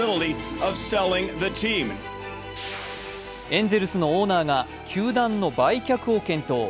エンゼルスのオーナーが球団の売却を検討。